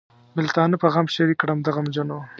بېلتانه په غم شریک کړم د غمجنو.